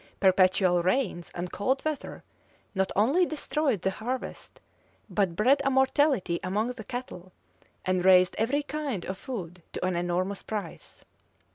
Perpetual rains and cold weather not only destroyed the harvest, but bred a mortality among the cattle, and raised every kind of food to an enormous price.